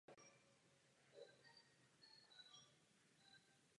Dnes to budeme posuzovat jako jasné porušení lidských práv.